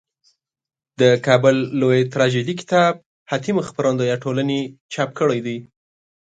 دکابل لویه تراژیدي کتاب حاتم خپرندویه ټولني چاپ کړیده.